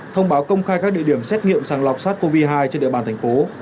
thông báo công khai các địa điểm xét nghiệm sàng lọc sars cov hai trên địa bàn thành phố